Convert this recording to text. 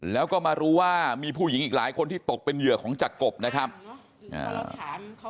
แล้วก็มารู้ว่ามีผู้หญิงอีกหลายคนที่ตกเป็นเหยื่อของจักรบนะครับอ่า